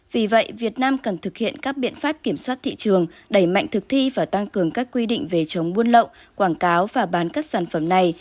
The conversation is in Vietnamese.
vì vậy việt nam cần thực hiện các biện pháp kiểm soát thị trường đẩy mạnh thực thi và tăng cường các quy định về chống buôn lậu quảng cáo và bán các sản phẩm này